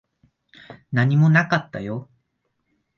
何もなかったよ。